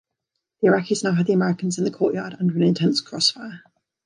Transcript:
The Iraqis now had the Americans in the courtyard under an intense crossfire.